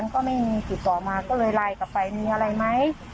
ก็เลยไล่กลับไปมีอะไรไหม